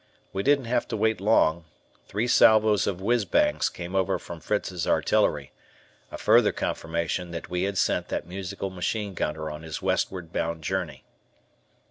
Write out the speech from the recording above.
We didn't have to wait long, three salvos of "whizz bangs" came over from Fritz's artillery, a further confirmation that we had sent that musical machine gunner on his westward bound journey.